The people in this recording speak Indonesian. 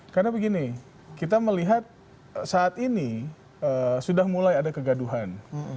karena begini kita melihat saat ini sudah mulai ada kegaduhan